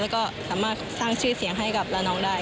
แล้วก็สามารถสร้างชื่อเสียงให้กับละน้องได้